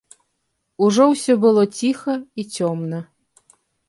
Ужо ўсё было ціха і цёмна.